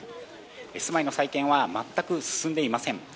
住まいの再建は全く進んでいません。